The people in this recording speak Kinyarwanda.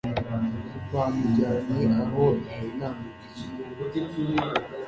bamujyanye aho ntari namubwiye